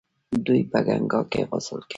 دوی په ګنګا کې غسل کوي.